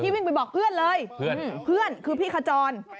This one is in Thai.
วิ่งไปบอกเพื่อนเลยเพื่อนคือพี่ขจร